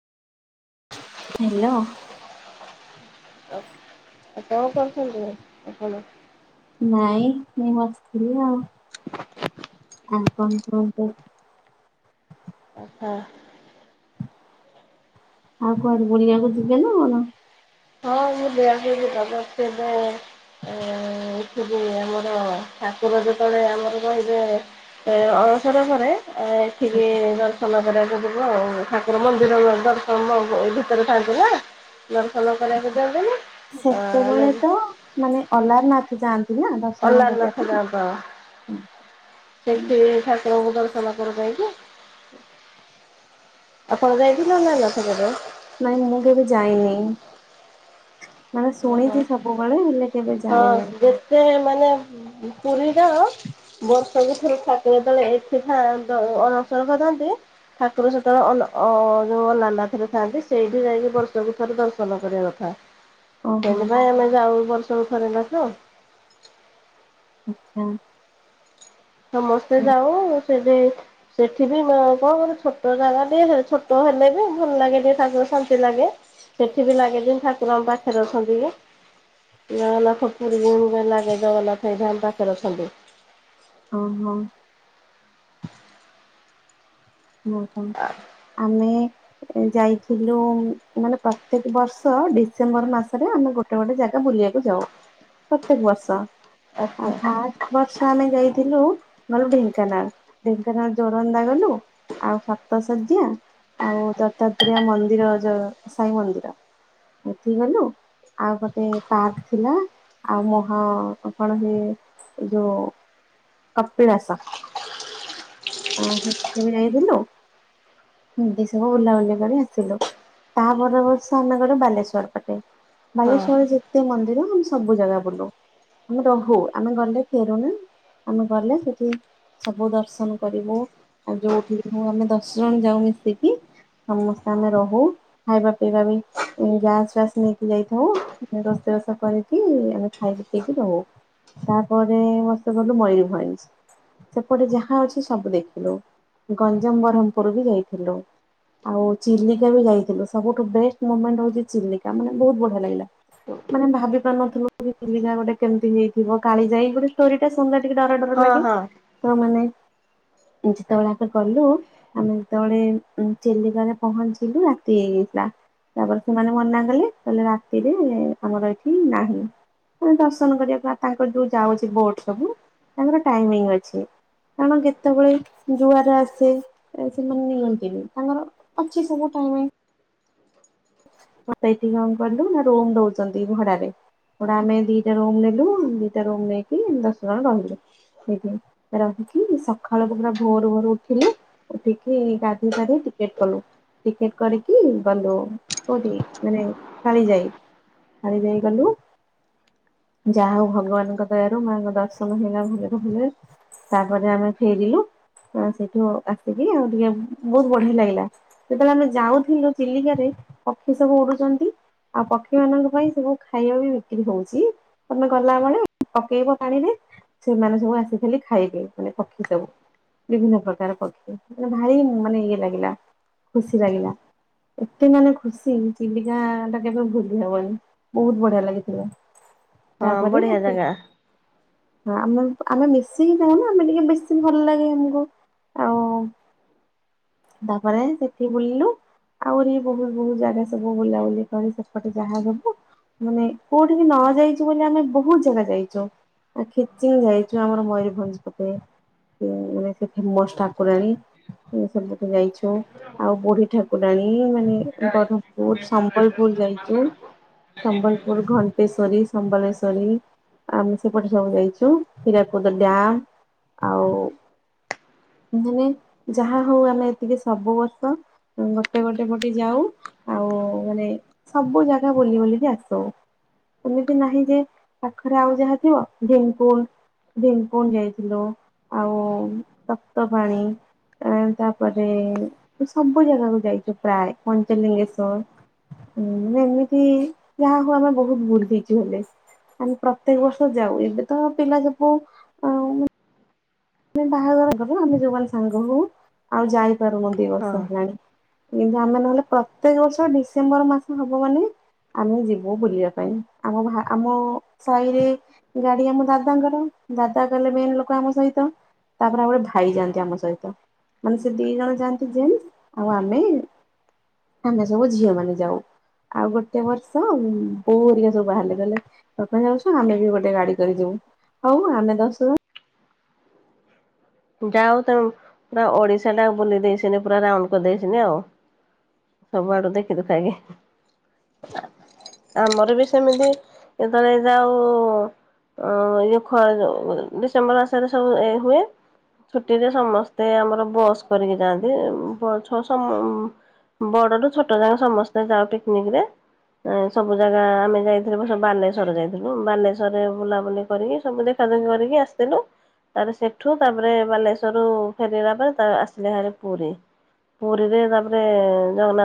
Hello କଣ କରୁଛନ୍ତି? ନାଇଁ ମୁ ବସିଥିଲି ଆଉ ଆଉ କଣ କୁହନ୍ତୁ। ଆଚ୍ଛା ଆଉ କୁଆଡେ ବୁଲିବାକୁ ଯିବେ ନା କଣ? [unintelligible] ଆ ଏଠିବି ଆମର ଠାକୁର ଯେତେବେଳେ ଆମର କହିବେ। ଅଣସର ପରେ ଟିକିଏ ଦର୍ଶନ କରିବାକୁ ଯିବୁ ହଁ ଠାକୁର ମନ୍ଦିର ଦର୍ଶନ ଭିତରେ ଥାଆନ୍ତି ନା? ଦର୍ଶନ କରିବାକୁ। ଦିଅନ୍ତିନି ଆମେ ସେତେବେଳେ ତ ମାନେ ଅଲାର ନାଥ ଯାଆନ୍ତି। ନା ଦର୍ଶନ କରିବା ପାଇଁ। ଅଲାରନାଥ [unintelligible] ସେଠି ଠାକୁରଙ୍କୁ ଦର୍ଶନ କରି ଦେଇକି। ଆପଣ ଯାଇ ଥିନାଲେ [unintelligible] ନାଇଁ ମୁଁ କେବେ ଯାଇନି। ମାନେ ଓହୋ ଶୁଣିଛି ସବୁବେଳେ ହେଲେ କେବେ ଜାଏନି। ସେ ମାନେ ପୁରୀ [unintelligible] ବର୍ଷକୁ ଥରେ ଠାକୁର ଯେତେବେଳେ ଏଠି ଅଣସର କରନ୍ତି- ଠାକୁର ସେତେବେଳେ ଅ ଅନା ଅନାରନାଥରେ ଥାଆନ୍ତି ସେଇଠି ଯାଇକି ବର୍ଷକୁ ଥରେ ଦର୍ଶନ କରିବା କଥା। ଓହୋ ସେଥିପାଇଁ ଆମେ ଯାଉ ବର୍ଷରୁ ଥରେ ନାଖା। ଆଚ୍ଛା। ସମସ୍ତେ ଯାଉ ସେଠି - ସେଠି ବି କଣ ଛୋଟ ଜାଗା ଟିକେ ଛୋଟ ହେଲେ ବି ଭଲ ଲାଗେ ଟିକେ ତାଙ୍କର ଶାନ୍ତି ଲାଗେ। ସେଠି ବି ଲାଗେ ଯେ ଠାକୁରଙ୍କ ମୋ ପାଖରେ ଅଛନ୍ତି କି। [unintelligible] ଜଗନ୍ନାଥ ଏଇଠି ଆମ ପାଖରେ ଅଛନ୍ତି। ଓ ହୋ। ଓହୋ ଆମେ ଯାଇଥିଲୁ ମାନେ ପ୍ରତ୍ୟେକ ବର୍ଷ ଡିସେମ୍ବର ମାସରେ ଆମେ ଗୋଟେ ଗୋଟେ ଗୋଟେ ଜାଗା ବୁଲିବାକୁ ଯାଉ ପ୍ରତ୍ୟେକ ବର୍ଷ ଆଚ୍ଛା ଆ ବର୍ଷ ଆମେ ଯାଇଥିଲୁ ଗଲୁ ଢେଙ୍କାନାଳ ଢେଙ୍କାନାଳ ଜୋରନ୍ଦା ଗଲୁ। ଆଉ ସପ୍ତଶଯ୍ୟା ଆଉ ଦତ୍ତାତ୍ରୟ ମନ୍ଦିର ଯଉ ସାଇ ମନ୍ଦିର। ସେଠିକି ଗଲୁ। ଆଉ ଗୋଟେ ପାର୍କ ଥିଲା ଆଉ ମୁହଁ କପଣ ହୁଏ। ଯୋ କପିଳାସ [unintelligible] ଥିଲୁ [unintelligible] ବୁଲାବୁଲି କରି ଆସିଲୁ। ତାହା ପରବର୍ଷ ଆମେ ଗଲୁ ବାଲେଶ୍ୱର ପଟେ। ହଁ। ବାଲେଶ୍ଵରରେ ଯେତେ ମନ୍ଦିର ଆମେ ସବୁ ଜାଗା ବୁଲୁ। ଆମେ ରହୁ ଆମେ ଗଲେ ଫେରୁନା। ଆମେ ଗଲେ ସେଠି ସବୁ ଦର୍ଶନ କରିବୁ ଆଉ ଯୋଉଠି ହଉ ଆମେ ଦଶ ଜଣ ଯାଉ ମିଶିକି ସମସ୍ତେ ଆମେ ରହୁ ଖାଇବା ପିଇବା ବି ଗ୍ୟାସ ଫାସ ନେଇକି ଯାଇଥାଉ ରୋଷେଇ ବାଷ କରିକି ଆମେ ଖାଇକି ପିଇକି ରହୁ। ତାପରେ ମସ୍ତେ ଗଲୁ ମୟୂରଭଞ୍ଜ। ସେପଟେ ଯାହା ଅଛି ସବୁ ଦେଖିଲୁ। ଗଞ୍ଜାମ ବ୍ରହ୍ମପୁର ବି ଯାଇଥିଲୁ। ଆଉ ଚିଲିକା ବି ଯାଇଥିଲୁ। ସବୁଠୁ ବେଷ୍ଟ ମୁମେଣ୍ଟ ହଉଛି ଚିଲିକା। ମାନେ ବହୁତ ବଢିଆ ଲାଗିଲା। ମାନେ ଭାବି ପାରୁନଥିଲୁ ଚିଲିକା ଗୋଟେ କେମିତି ହେଇଥିବ? କାଳି ଯାଇ ଗୋଟେ ଷ୍ଟୋରି ଟା ଶୁନିଲେ ଟିକେ ଡର ଡର ହଁ ଲାଗେ ହଁ ତ ମାନେ ଯେତେବେଳା ଗଲୁ ଆମେ ଯେତେବେଳେ ଚିଲିକାରେ ପହଞ୍ଚିଲୁ ରାତି ହେଇଯାଇଥିଲା। ତାପରେ ସେମାନେ ମନା କଲେ ତାହଲେ ରାତିରେ ଆମର ଏଇଠି ନାହିଁ। ମାନେ ଦର୍ଶନ କରିବାକୁ ତାଙ୍କର ଯୋଉ ଯାଉଛି ବୋଟ ସବୁ ତାଙ୍କର ଟାଇମିଙ୍ଗ ଅଛି। କାରଣ କେତେବେଳେ ଦୁଆର ଆସେ ସେମାନେ ନିଅନ୍ତିନି ତାଙ୍କର ଅଛି ସବୁ ଟାଇମ ମତ ଏଠିକି କଣ କିଲୁ ନା ରୋମ ଦଉଛନ୍ତି ଭଡାରେ। ଗୋଟା ଆମେ ଦିଟା ରୁମ ନେଲୁ ଦିଟା ରୁମ ନେଇକି ଦଶ ଜଣ ରହିଲୁ। ସେ ରହିିକି ସକାଳୁ ପା ଭୋର ଭୋର ଉଠିଲୁ। ଉଠିକି ଗାଧୋଇ ଫଧେଇ ଟିକେଟ କଲୁ ଟିକେଟ କରିକି ଗଲୁ। କୋଉଠି ମାନେ କାଳି ଯାଇ କାଳି ଯାଇ ଗଲୁ। ଯାହା ହଉ ଭଗବାନଙ୍କ ଦୟାରୁ ମାଆଙ୍କ ଦର୍ଶନ ହେଇଗଲା ଭଲରେ ଭଲ ତାପରେ ଆମେ ଫେରିଲୁ ସେଇଠୁ ଆସିକି ଆଉ ଟିକେ ବହୁତ ବଢିଆ ଲାଗିଲା। ଯେତେବେଳେ ଆମେ ଯାଉଥିଲୁ ଚିଲିକାରେ ପକ୍ଷୀ ସବୁ ଉଡୁଛନ୍ତି। ଆଉ ପକ୍ଷୀ ମାନଙ୍କ ପାଇଁ ସବୁ ଖାଇବା ବି ବିକ୍ରି ହଉଛି। ତମେ ଗଲାବେଳେ ପକେଇବ ପାଣିରେ। ସେମାନେ ସବୁ ଆସିି ଖାଇବେ ମାନେ ପକ୍ଷୀ ସବୁ। ବିଭିନ୍ନ ପ୍ରକାର ପକ୍ଷୀ [unintelligible] ଭାରି ମାନେ ଇଏ ଲାଗିଲା ଖୁସି ଲାଗିଲା। ଏତେ ମାନଙ୍କ ଖୁସି ଚିଲିକା ଟା କେବେ ଭୁଲି ହବନି ବହୁତ ବଢିଆ ଲାଗିଥିବ। ହଁ ତାପରେ ବଢିଆ ଆସି ଜାଗା ହଁ ଆମ ଆମେ ମିଶିକି ଯଉ ନା ଆମେ ଟିକେ ବେଶୀ ଭଲ ଲାଗେ ଆମକୁ ଆଉ ତାପରେ ସେଠି ବୁଲିଲୁ ଆହୁରି ବହୁତ ବହୁ ଜାଗା ସବୁ ବୁଲାବୁଲି କରି ସେପଟେ ଯାହା ସବୁ ମାନେ କୋଉଠିକି ନ ଯାଇଚୁ ବୋଲି ଆମେ ବୋହୁତ ଜାଗା ଯାଇଚୁ। ଆ ଖିଚିଙ୍ଗ୍ ଯାଇଛୁ ଆମର ମୟୂରଭଞ୍ଜ ପଟେ। ସେ ମାନେ ସେ ଫେମସ୍ ଠାକୁରାଣୀ। ଏ ସବୁ ତ ଯାଇଛୁ ଆଉ ବୁଢ଼ୀ ଠାକୁରାଣୀ ମାନେ ବରମପୁର ସମ୍ବଲପୁର ଯାଇଚୁ। ସମ୍ବଲପୁର ଘଣ୍ଟେଶ୍ଵରୀ ସମ୍ବଲେଶ୍ଵରୀ। ଆମ୍ ସେପଟେ ସବୁ ଯାଇଛୁ ହରାକୁଦ ଡ୍ୟାମ। ଆଉ [unintelligible] ମାନେ ଯାହା ହଉ ଆମେ ଏତିକି ସବୁ ବର୍ଷ ହୁଁ ଗୋଟେ ଗୋଟେ ପଟେ ଯାଉ। ଆଉ ମାନେ ସବୁ ଜାଗା ବୁଲି ବୁଲିକି ଆସୁ। ଏମିତି ନାହିଁ ଯେ ପାଖରେ ଆଉ ଯାହା ଥିବ ଢେଙ୍କୁଲ୍ ଭିମକୁଣ୍ଡ ଯାଇଥିଲୁ ଆଉ ଶପ୍ତ ଫେଣି। ଆଁ ତାପରେ ସବୁ ଜାଗାକୁ ଯାଇଛୁ ପ୍ରାଏ ପଞ୍ଚଲିଙ୍ଗେଶ୍ଵର ହୁଁ ମାନେ ଏମିତି ଯାହା ହୋଉ ଆମେ ବୋହୁତ ବୁଲିଚୁ ହେଲେ। ଆମେ ପ୍ରତ୍ୟେକ ବର୍ଷ ଯାଉ ଏବେ ତ ପିଲା ଜପୁ ଆଉ ମାନେ ବାହାଘର ଗଲୁ ଆମେ ଯୋଉମାନେ ସାଙ୍ଗ ହଉ ଆଉ ଯାଇପାରୁନୁ ଦି ବର୍ଷ ହଁ ହେଲାଣି। କିନ୍ତୁ ଆମେ ନହେଲେ ପ୍ରତ୍ୟେକ ବର୍ଷ ଡିସେମ୍ବର ମାସ ହବ ମାନେ ଆମେ ଯିବୁ ବୁଲିବା ପାଇଁ ଆମ ଭା ଆମ ସାହିରେ ଗାଡ଼ି ଆମ ଦାଦାଙ୍କର ଦାଦା ଗଲେ ମେନ୍ ଲୋକ ଆମ ସହିତ। ତାପରେ ଆଉ ଗୋଟେ ଭାଇ ଯାଆନ୍ତି ଆମ ସହିତ। ମାନେ ସେ ଦି ଜଣ ଯାଆନ୍ତି ଜେନ୍ସ ଆଉ ଆମେ ଆମେ ସବୁ ଝିଅ ମାନେ ଯାଉ। ଆଉ ଗୋଟେ ବର୍ଷ ବୋଉ ହେରିକା ସବୁ ବାହାରିଲେ କହିଲେ ତମେ ଯାଉଛ ଆମେ ବି ଗୋଟେ ଗାଡ଼ି କରି ଯିବୁ ଆଉ ଆମେ ଦଶ ଜ ଯା ହୋଉ ତମେ ପୁରା ଓଡ଼ିଶା ଟାକୁ ବୁଲି ଦେଇଛନ୍ତି ପୁରା ରାଉଣ୍ଡ କରିଦେଇଛନ୍ତି ଆଉ। ସବୁଆଡୁ ଦେଖି ଦୁଖାକି। ଆମର ବି ସେମିତି ଯେତେବେଳେ ଯାଉ ଅ ଇଏ ଖରା ଯୋଉ ଡିସେମ୍ବର ମାସରେ ସବୁ ଏ ହୁଏ। ଛୁଟିରେ ସମସ୍ତେ ଆମର ବସ୍ କରିକି ଯାଆନ୍ତି ବ ଛ ସମ ବଡ଼ ଠୁ ଛୋଟ ଯାଏ ସମସ୍ତେ ଯାଉ ପିକିନିକ୍ ରେ। ଆଁ ସବୁ ଜାଗା ଆମେ ଯାଇଥିଲୁ ବ ବାଲେଶ୍ଵର ଯାଇଥିଲୁ ବାଲେଶ୍ଵରରେ ବୁଲାବୁଲି କରିକି ସବୁ ଦେଖ ଦେଖା ଦେଖି କରିକି ଆସିଥିଲୁ ତାପରେ ସେଠୁ ତାପରେ ବାଲେଶ୍ଵର ରୁ ଫେରିଲା ପରେ ତା ଆସିଲେ ହାରି ପୁରୀ। ପୁରୀରେ ତାପରେ ଜଗନ୍ନାଥ